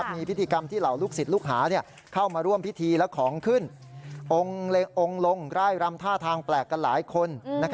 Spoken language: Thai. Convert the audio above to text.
มาร่วมพิธีและของขึ้นองค์ลงร่ายรำท่าทางแปลกกันหลายคน